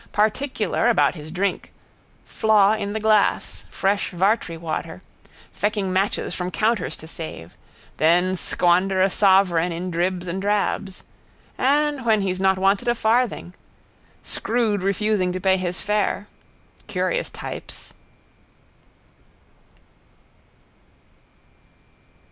Particular about his drink. Flaw in the glass, fresh Vartry water. Fecking matches from counters to save. Then squander a sovereign in dribs and drabs. And when he's wanted not a farthing. Screwed refusing to pay his fare. Curious types.